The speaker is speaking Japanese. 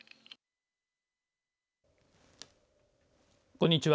こんにちは。